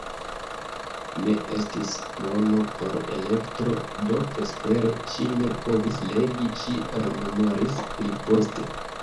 Ne estis mono por elektro, do vespere ŝi ne povis legi, ŝi rememoris pliposte.